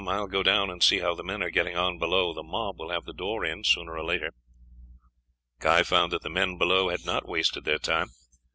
I will go down and see how the men are getting on below; the mob will have the door in sooner or later." Guy found that the men below had not wasted their time.